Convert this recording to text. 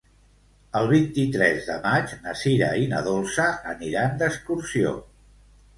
El vint-i-tres de maig na Sira i na Dolça aniran d'excursió.